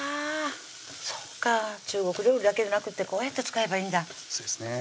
そっか中国料理だけじゃなくってこうやって使えばいいんだそうですね